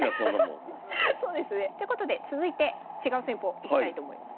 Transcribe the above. そうですね。ということで続いて違う戦法いきたいと思います。